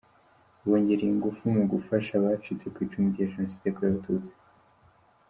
bongereye ingufu mu gufasha abacitse ku icumu rya Jenoside yakorewe Abatutsi.